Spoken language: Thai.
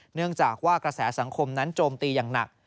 เนื่องจากว่ากระแสสังคมนั้นโจมตีอย่างหนัก